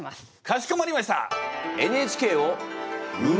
かしこまりました！